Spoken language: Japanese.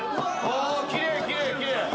ああきれいきれいきれい。